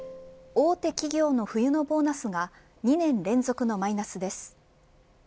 大手企業の冬のボーナスが２年連続のマイナスです。